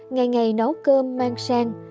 ngày ngày nấu cơm mang sang